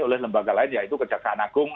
oleh lembaga lain yaitu kejaksaan agung